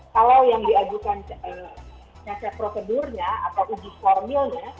kalau yang diajukan prosedurnya atau uji formil